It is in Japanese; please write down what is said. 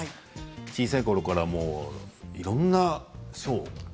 小さいころからいろんな賞を。